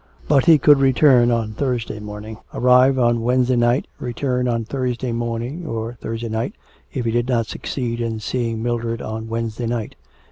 But he could return on Thursday morning. ... Arrive on Wednesday night, return on Thursday morning or Thursday night, if he did not succeed in seeing Mildred on Wednesday night.